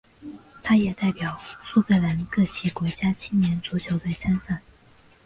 他也代表苏格兰各级国家青年足球队参赛。